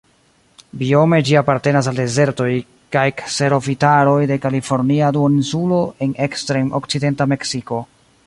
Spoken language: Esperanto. Biome ĝi apartenas al dezertoj kaj kserofitaroj de Kalifornia Duoninsulo en ekstrem-okcidenta Meksiko.